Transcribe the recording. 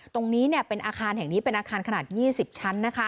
ตรงนี้เป็นอาคารขนาด๒๐ชั้น